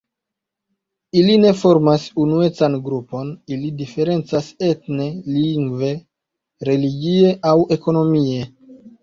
Ili ne formas unuecan grupon, ili diferencas etne, lingve, religie aŭ ekonomie.